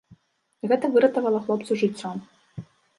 Гэта выратавала хлопцу жыццё.